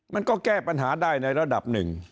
มันก็แก้ปัญหาได้ในระดับ๑